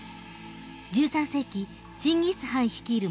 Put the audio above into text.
１３世紀チンギス・ハン率いる